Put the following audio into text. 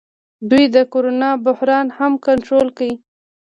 دوی د کرونا بحران هم کنټرول کړ.